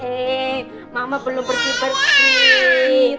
eh mama belum bersih bersih